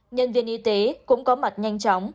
nhân viên y tế cũng có mặt nhanh chóng